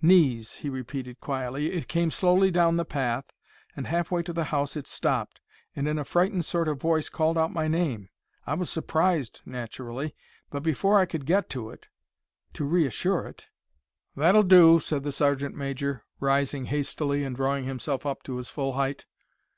"Knees," he repeated, quietly. "It came slowly down the path, and half way to the house it stopped, and in a frightened sort of voice called out my name. I was surprised, naturally, but before I could get to it—to reassure it—" "That'll do," said the sergeant major, rising hastily and drawing himself up to his full height.